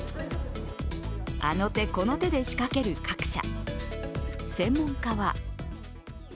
あの手この手で仕掛ける各社。